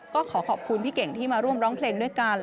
ก็ขอขอบคุณพี่เก่งที่มาร่วมร้องเพลงด้วยกัน